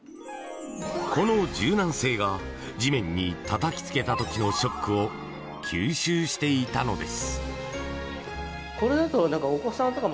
この柔軟性が地面にたたきつけた時のショックを吸収していたのです。